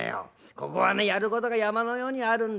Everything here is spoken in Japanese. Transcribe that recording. ここはねやることが山のようにあるんだ。